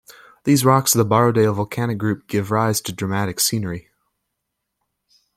These rocks of the Borrowdale Volcanic Group give rise to dramatic scenery.